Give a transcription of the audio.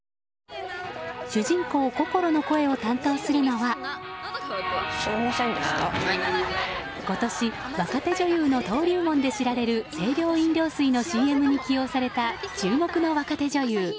主人公こころの声を担当するのは今年若手女優の登竜門で知られる清涼飲料水のＣＭに起用された注目の若手女優